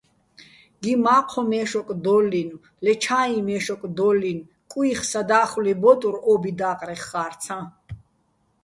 გი მაჴოჼ მე́შოკ დო́ლლინო̆, ლე ჩა́იჼ მე́შოკ დო́ლლინო̆ კუჲხი̆ სადა́ხლუჲ ბო́ტურ ო́ბი და́ყრეხ ხა́რცაჼ.